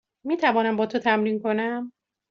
می توانم با تو تمرین کنم؟